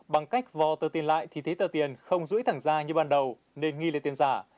bằng cách vò tờ tiền lại thì thấy tờ tiền không rưỡi thẳng ra như ban đầu nên nghi lấy tiền giả